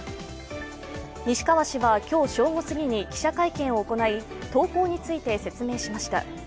西川氏は今日正午すぎに記者会見を行い投稿について説明しました。